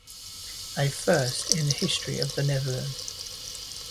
A first in the history of the Netherlands.